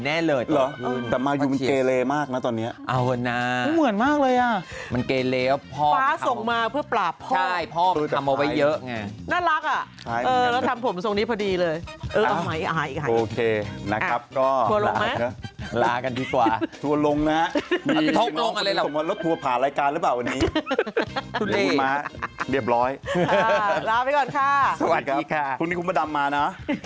น่ารักอ่ะเออแล้วทำผมส่วนนี้พอดีเลยเออเอามาอีกครั้งอีกครั้งโอเคนะครับก็ทั่วลงมั้ยลากันดีกว่าทั่วลงนะทั่วผ่านรายการหรือเปล่าวันนี้พูดมาเรียบร้อยลาไปก่อนค่ะสวัสดีค่ะพรุ่งนี้คุณพระดำมานะ